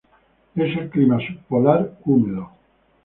Es el clima subpolar húmedo.